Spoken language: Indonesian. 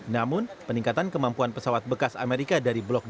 namun peningkatan kemampuan pesawat bekas amerika dari blok b